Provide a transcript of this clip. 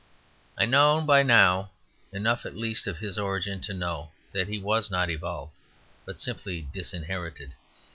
I know by now enough at least of his origin to know that he was not evolved, but simply disinherited.